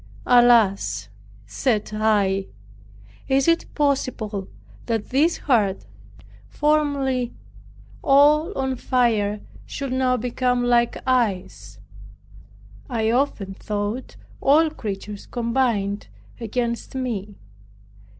"Alas!" said I, "is it possible that this heart, formerly all on fire, should now become like ice!" I often thought all creatures combined against me.